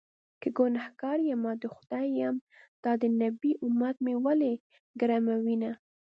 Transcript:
که ګنهکار يمه د خدای یم- دا د نبي امت مې ولې ګرموینه